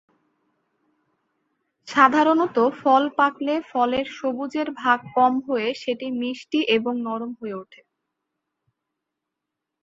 সাধারণত ফল পাকলে ফলের সবুজের ভাগ কম হয়ে সেটি মিষ্টি এবং নরম হয়ে ওঠে।